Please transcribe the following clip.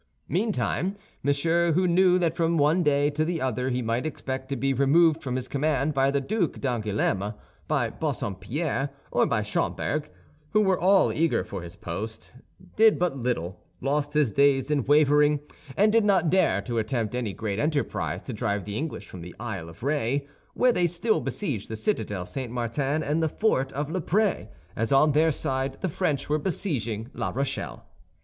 Meantime, Monsieur, who knew that from one day to the other he might expect to be removed from his command by the Duc d'Angoulême, by Bassompierre, or by Schomberg, who were all eager for his post, did but little, lost his days in wavering, and did not dare to attempt any great enterprise to drive the English from the Isle of Ré, where they still besieged the citadel St. Martin and the fort of La Prée, as on their side the French were besieging La Rochelle.